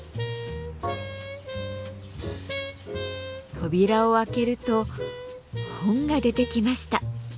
扉を開けると本が出てきました。